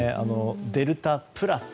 デルタプラス。